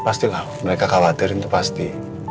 pastilah mereka khawatir itu pasti